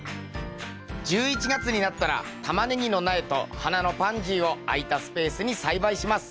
１１月になったらタマネギの苗と花のパンジーを空いたスペースに栽培します。